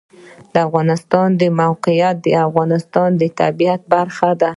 د افغانستان د موقعیت د افغانستان د طبیعت برخه ده.